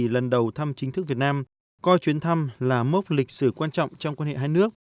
lần đầu thăm chính thức việt nam coi chuyến thăm là mốc lịch sử quan trọng trong quan hệ hai nước